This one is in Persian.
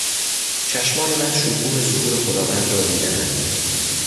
چشمان من شکوه ظهور خداوند را دیدهاند...